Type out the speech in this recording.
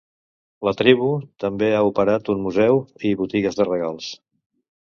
La tribu també ha operat un museu i botigues de regals.